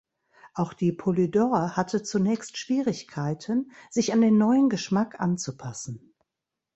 Auch die Polydor hatte zunächst Schwierigkeiten, sich an den neuen Geschmack anzupassen.